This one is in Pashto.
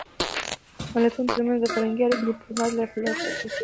د ملتونو ترمنځ فرهنګي اړیکې د ډيپلومات له لارې پیاوړې کېږي.